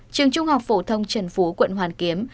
trường trung học phổ thông trần phú quận hoàn kiếm